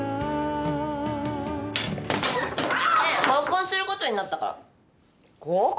合コンすることになったから。